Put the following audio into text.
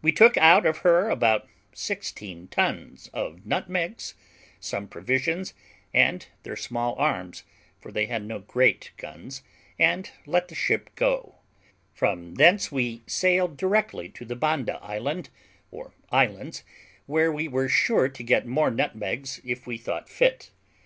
We took out of her about sixteen ton of nutmegs, some provisions, and their small arms, for they had no great guns, and let the ship go: from thence we sailed directly to the Banda Island, or Islands, where we were sure to get more nutmegs if we thought fit.